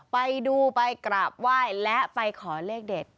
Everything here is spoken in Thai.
ไปดูไปกราบไหว้และไปขอเลขเด็ด